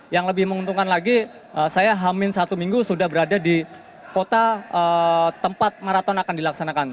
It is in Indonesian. yang lebih menguntungkan lagi saya hamil satu minggu sudah berada di kota tempat maraton akan dilaksanakan